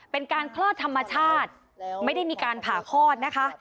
เป็นการคลอดธรรมชาติไม่ได้มีการผ่าคลอดนะคะ